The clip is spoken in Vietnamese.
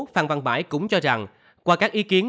phan văn bãi cũng cho rằng qua các ý kiến